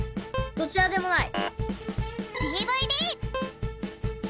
どちらでもない！